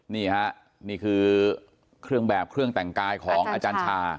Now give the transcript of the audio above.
นี่ฮะนี่คือเครื่องแบบเครื่องแต่งกายของอาจารย์ชา